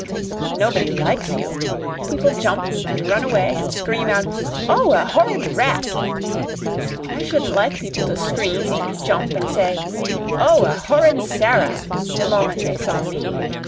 "Nobody likes you. People jump and run away and scream out, 'Oh, a horrid rat!' I shouldn't like people to scream and jump and say, 'Oh, a horrid Sara!' the moment they saw me.